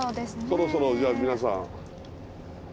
そろそろじゃあ皆さん。